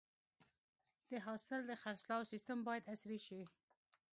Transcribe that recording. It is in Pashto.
د حاصل د خرڅلاو سیستم باید عصري شي.